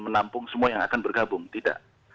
menampung semua yang akan bergabung tidak